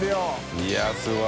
いすごい。